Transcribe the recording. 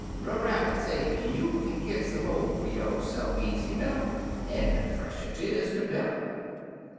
"Brer Rabbit say, 'You kin git some mo' fer yo'se'f easy 'nuff, en de fresher 'tis, de better.'